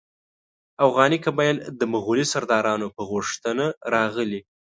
اوغاني قبایل د مغولي سردارانو په غوښتنه راغلي.